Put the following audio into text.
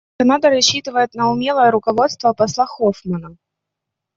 Канада рассчитывает на умелое руководство посла Хоффмана.